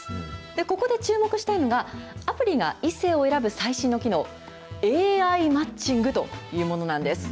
ここで注目したいのが、アプリが異性を選ぶ最新の機能、ＡＩマッチングというものなんです。